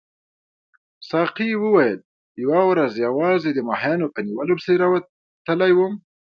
ساقي وویل یوه ورځ یوازې د ماهیانو په نیولو پسې راوتلی وم.